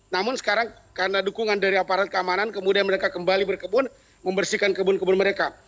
namun sekarang karena dukungan dari aparat keamanan kemudian mereka kembali berkebun membersihkan kebun kebun mereka